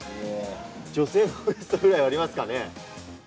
女性のウエストぐらいありますかね。